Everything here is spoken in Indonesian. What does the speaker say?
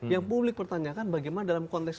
yang publik pertanyakan bagaimana dalam konteks